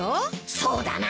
そうだな。